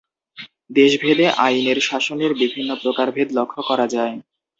দেশভেদে আইনের শাসনের বিভিন্ন প্রকারভেদ লক্ষ্য করা যায়।